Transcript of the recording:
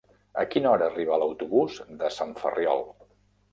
A quina hora arriba l'autobús de Sant Ferriol?